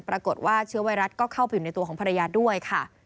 ปรากฏว่าเชื้อไวรัสก็เข้าไปอยู่ในตัวของภรรยาด้วยค่ะ